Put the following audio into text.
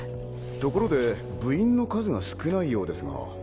ところで部員の数が少ないようですが。